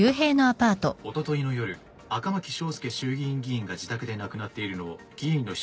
おとといの夜赤巻章介衆議院議員が自宅で亡くなっているのを議員の秘書が発見しました。